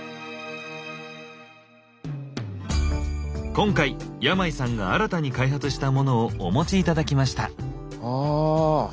今回山井さんが新たに開発したモノをお持ち頂きました。